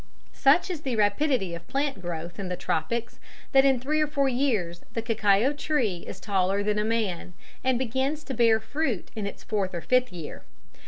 Such is the rapidity of plant growth in the tropics that in three or four years the cacao tree is taller than a man, and begins to bear fruit in its fourth or fifth year.